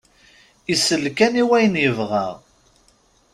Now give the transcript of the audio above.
Isell kan i wyen yebɣa.